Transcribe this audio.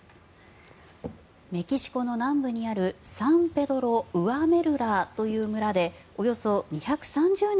メキシコの南部にあるサン・ペドロ・ウアメルラという村でおよそ２３０年